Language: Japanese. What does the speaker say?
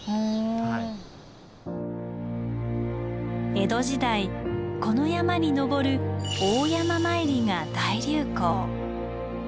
江戸時代この山に登る「大山詣り」が大流行。